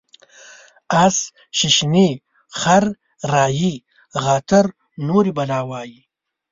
اس ششني ، خر رایي غاتر نوري بلا وایي.